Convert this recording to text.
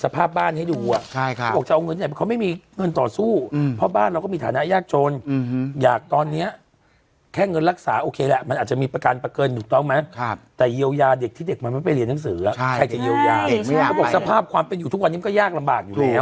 ไปเรียนหนังสืออ่ะใช่ใครจะเยียวยานใช่ไม่ยากไปเขาบอกสภาพความเป็นอยู่ทุกวันนี้มันก็ยากลำบากอยู่แล้ว